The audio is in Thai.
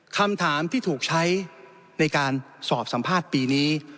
คำถามที่ถูกใช้ในการสอบสัมภาษณ์ปีนี้